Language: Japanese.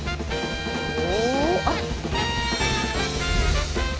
お。